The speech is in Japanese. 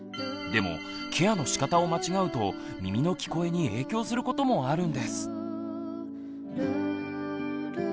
でもケアのしかたを間違うと耳の「聞こえ」に影響することもあるんです。